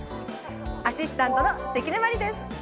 アシスタントの関根麻里です。